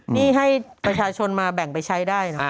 นี่ให้ประชาชนมาแบ่งไปใช้ได้นะ